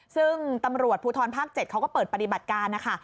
ซึ่งตำรวจภูทรภาค๗เขาก็เปิดปฏิบัติการนะคะ